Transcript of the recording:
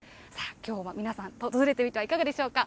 皆さん、訪れてみてはいかがでしょうか。